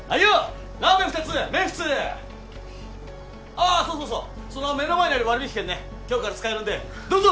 ああそうそうそうその目の前にある割引券ね今日から使えるんでどうぞ！